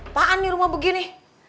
apaan nih rumah begini